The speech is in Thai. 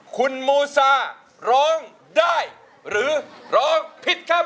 คุณมูซาร้องได้หรือร้องผิดครับ